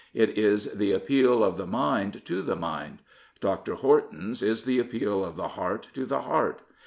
It is the appeal of the mind to the mind. Dr. Horton's is the appeal of the heart to the heart.